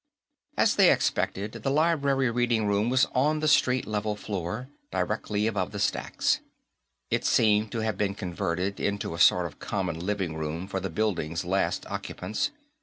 As they expected, the library reading room was on the street level floor, directly above the stacks. It seemed to have been converted into a sort of common living room for the building's last occupants.